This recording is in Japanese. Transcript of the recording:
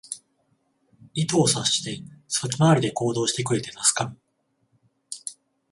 意図を察して先回りで行動してくれて助かる